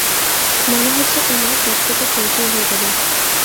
মনে হচ্ছে আমার পেট ফেটে চৌচির হয়ে যাবে।